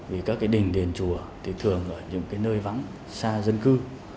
vì các cái đình đền chùa thì thường ở những cái nơi vắng xa dân cư